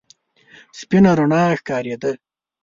سپينه رڼا ښکارېده.